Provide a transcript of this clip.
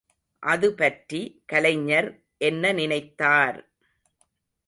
அது பற்றி கலைஞர் என்ன நினைத்தார்!